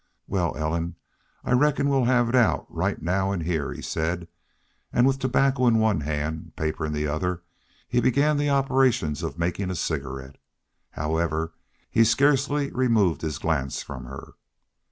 "Wal, Ellen, I reckon we'll have it out right now an' heah," he said, and with tobacco in one hand, paper in the other he began the operations of making a cigarette. However, he scarcely removed his glance from her.